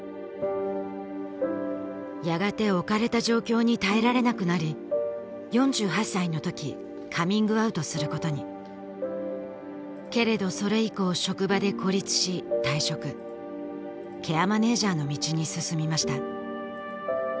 やがて置かれた状況に耐えられなくなり４８歳の時カミングアウトすることにけれどそれ以降職場で孤立し退職ケアマネージャーの道に進みました